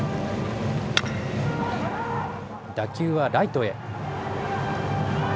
打球はライトへ。